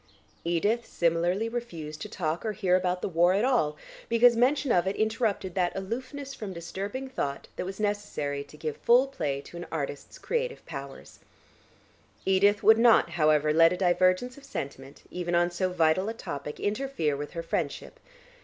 Edith similarly refused to talk or hear about the war at all, because mention of it interrupted that aloofness from disturbing thought that was necessary to give full play to an artist's creative powers. Dodo would not, however, let a divergence of sentiment even on so vital a topic interfere with her friendship.